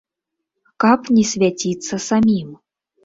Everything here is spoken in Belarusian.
Каб не свяціцца самім.